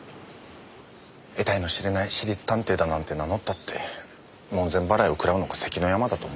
得体の知れない私立探偵だなんて名乗ったって門前払いをくらうのが関の山だと思いますよ。